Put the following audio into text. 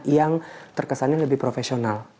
yang terkesan lebih profesional